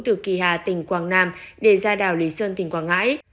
từ kỳ hà tỉnh quảng nam để ra đảo lý sơn tỉnh quảng ngãi